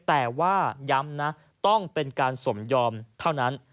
แต่ว่าย้ำนะต้องเป็นการสมยอมเท่านั้น